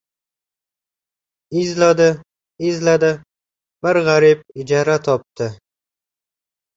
Izladi-izladi, bir g‘arib ijara topdi.